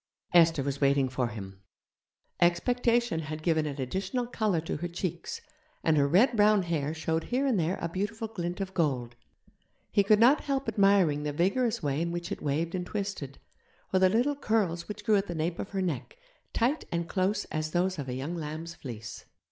Esther was waiting for him. Expectation had given an additional colour to her cheeks, and her red brown hair showed here and there a beautiful glint of gold. He could not help admiring the vigorous way in which it waved and twisted, or the little curls which grew at the nape of her neck, tight and close as those of a young lamb's fleece.